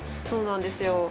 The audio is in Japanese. そうなんですよ。